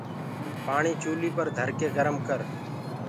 پآڻي چوليٚ پر ڌرڪي گرم ڪر۔